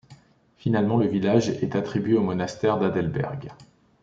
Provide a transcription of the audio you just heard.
Finalement, le village est attribué au monastère d'Adelberg.